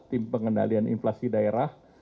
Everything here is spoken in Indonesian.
tim pengendalian inflasi daerah